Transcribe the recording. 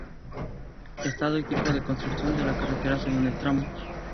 Estado y tipo de construcción de la carretera según el tramo